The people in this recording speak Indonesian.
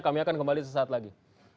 kami akan kembali sesaat lagi